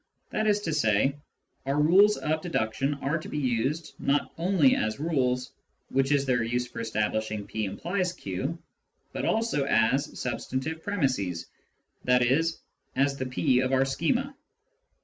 That is to say, our rules of deduction are to be used, not only as rules, which is their use for establishing " p implies q," but also as substantive premisses, i.e. as the p of our schema.